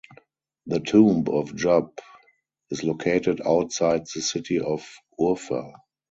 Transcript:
The tomb of Job is located outside the city of Urfa.